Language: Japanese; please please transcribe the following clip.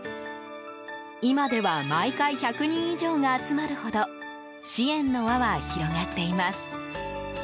今では、毎回１００人以上が集まるほど支援の輪は広がっています。